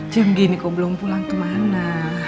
jam gini kok belum pulang tuh mana